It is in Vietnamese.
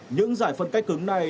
những giải phân cách cứng này